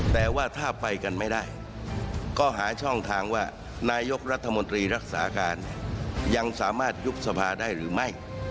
แต่ว่าถ้าไปกันไม่ได้ก็หาช่องทางว่านายกรัฐมนตรีรักษาการยังสามารถยุบสภาได้หรือไม่